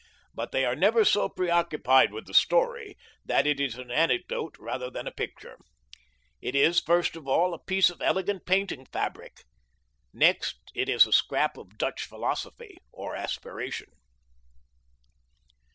But they are never so preoccupied with the story that it is an anecdote rather than a picture. It is, first of all, a piece of elegant painting fabric. Next it is a scrap of Dutch philosophy or aspiration.